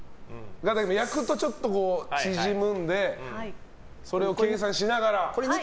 焼くとちょっと縮むのでそれを計算しながら。